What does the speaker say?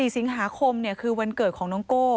๔สิงหาคมคือวันเกิดของน้องโก้